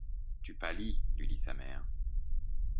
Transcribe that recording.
Tu pâlis! lui dit sa mère.